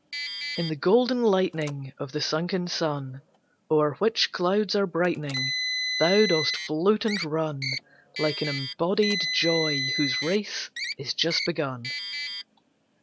In the golden lightning Of the sunken sun, O'er which clouds are brightening, Thou dost float and run, Like an embodied joy whose race is just begun.